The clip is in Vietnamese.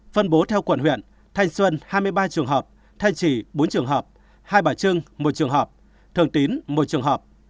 phân bố theo quận huyện thanh xuân hai mươi ba trường hợp thanh trì bốn trường hợp hai bà trưng một trường hợp thường tín một trường hợp